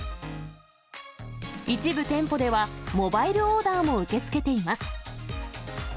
一部店舗では、モバイルオーダーも受け付けています。